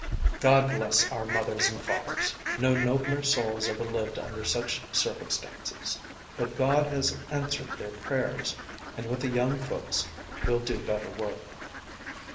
God bless our mothers and fathers; no nobler souls ever lived under such circumstances; but God has answered their prayers, and with the young folks will do better work.